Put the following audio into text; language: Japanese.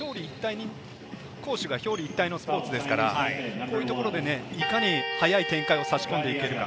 攻守が表裏一体のスポーツですから、こういうところでいかに早い展開をさし込んでいけるか？